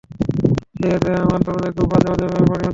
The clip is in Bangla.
সেইরাতে সে এসে আমার দরজায় খুব বাজেভাবে বাড়ি মারতে থাকে।